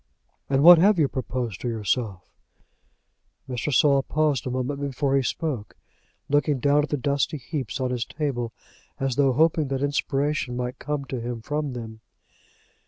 "And what have you proposed to yourself?" Mr. Saul paused a moment before he spoke, looking down at the dusty heaps upon his table, as though hoping that inspiration might come to him from them.